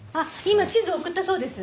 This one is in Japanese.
今地図送ったそうです。